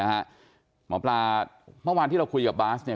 ได้ทำบุญไปด้วยด้วยกันนะฮะหมอปลาเมื่อวานที่เราคุยกับบาสเนี่ย